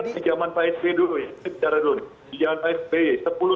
di jaman pak sp dulu